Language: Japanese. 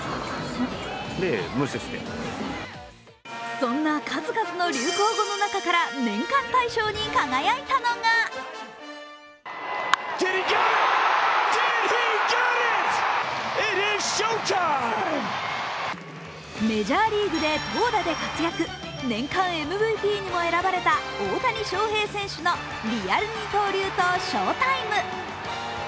そんな数々の流行語の中から年間大賞に輝いたのがメジャーリーグで投打で活躍、年間ＭＶＰにも選ばれた大谷翔平選手のリアル二刀流とショータイム。